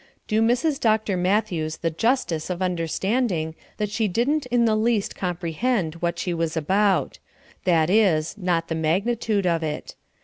Do Mrs. Dr. Matthews the justice of understanding that she didn't in the least comprehend what she was about; that is, not the magnitude of it.